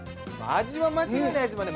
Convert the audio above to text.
味は間違いないですもんね。